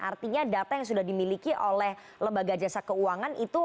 artinya data yang sudah dimiliki oleh lembaga jasa keuangan itu hanya untuk fintech